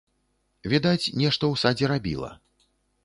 Відаць, нешта ў садзе рабіла.